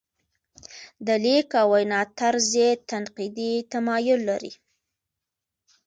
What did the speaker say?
د لیک او وینا طرز یې تنقیدي تمایل لري.